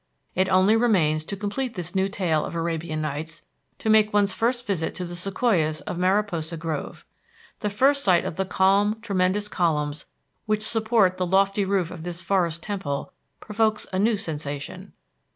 It only remains, to complete this new tale of the Arabian Nights, to make one's first visit to the sequoias of Mariposa Grove. The first sight of the calm tremendous columns which support the lofty roof of this forest temple provokes a new sensation.